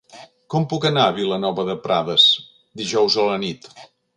Com puc anar a Vilanova de Prades dijous a la nit?